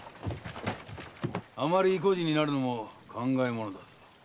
あまり意固地になるのも考えものだぞ。